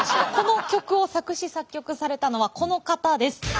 この曲を作詞作曲されたのはこの方です。